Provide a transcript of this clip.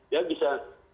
ya bisa dilacak oleh apa